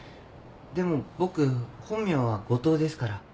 でも僕本名は五島ですから。